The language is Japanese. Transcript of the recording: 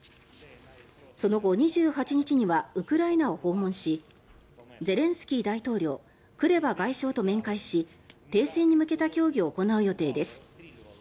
その後、２８日にはウクライナを訪問しゼレンスキー大統領クレバ外相と面会し停戦に向けた協議を行う予定です。